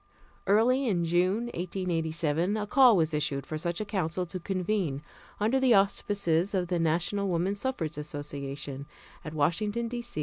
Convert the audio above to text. Early in June, 1887, a call was issued for such a council to convene under the auspices of the National Woman Suffrage Association at Washington, D.